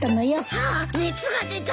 ああっ熱が出た。